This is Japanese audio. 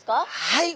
はい！